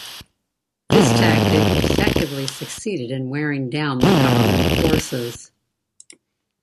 This tactic effectively succeeded in wearing down the government forces.